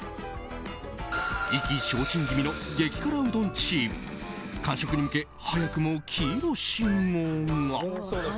意気消沈気味の激辛うどんチーム完食に向け、早くも黄色信号が。